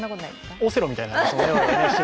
オセロみたいな。